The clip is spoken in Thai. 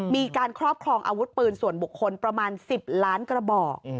ครอบครองอาวุธปืนส่วนบุคคลประมาณ๑๐ล้านกระบอก